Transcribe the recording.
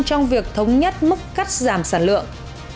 trong việc thống nhất mức cắt giảm sản lượng